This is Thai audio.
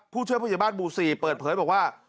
ผู้ช่วยบ้านบู๋สี้เปิดเผยบอกว่า